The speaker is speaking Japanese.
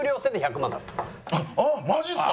あっマジっすか？